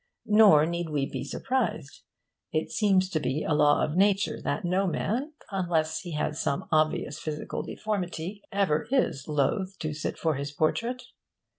Nor need we be surprised. It seems to be a law of nature that no man, unless he has some obvious physical deformity, ever is loth to sit for his portrait.